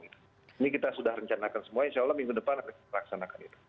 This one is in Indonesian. ini kita sudah rencanakan semua insya allah minggu depan akan kita laksanakan itu